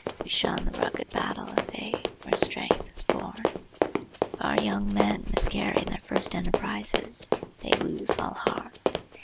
We shun the rugged battle of fate, where strength is born. If our young men miscarry in their first enterprises they lose all heart.